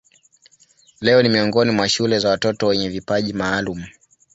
Leo ni miongoni mwa shule za watoto wenye vipaji maalumu.